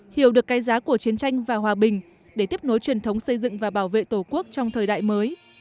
hiểu được cái giá của chiến tranh và hòa bình để tiếp nối truyền thống xây dựng và bảo vệ tổ quốc trong thời đại mới